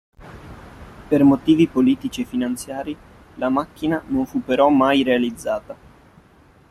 Per motivi politici e finanziari, la macchina non fu però mai realizzata.